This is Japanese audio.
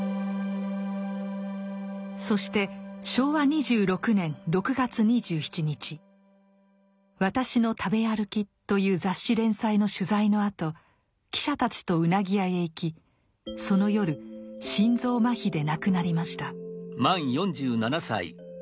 そして昭和２６年６月２７日「私の食べあるき」という雑誌連載の取材のあと記者たちとうなぎ屋へ行きその夜心臓麻痺で亡くなりました。